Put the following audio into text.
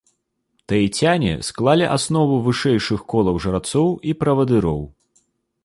Таіцяне склалі аснову вышэйшых колаў жрацоў і правадыроў.